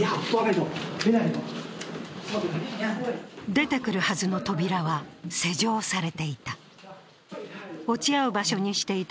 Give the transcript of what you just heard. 出てくるはずの扉は施錠されていた。